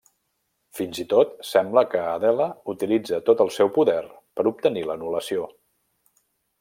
Fins i tot sembla que Adela utilitza tot el seu poder per obtenir l'anul·lació.